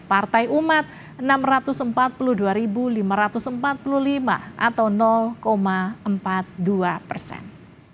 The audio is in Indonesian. partai umat enam ratus empat puluh dua lima ratus empat puluh lima atau empat puluh dua persen